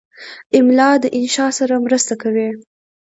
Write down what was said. املا د انشا سره مرسته کوي.